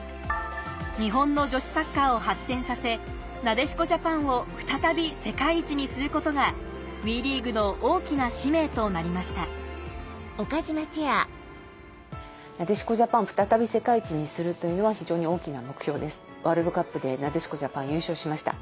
日本の女子サッカーを発展させなでしこジャパンを再び世界一にすることがＷＥリーグの大きな使命となりましたワールドカップでなでしこジャパン優勝しました。